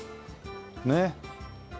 ねっ。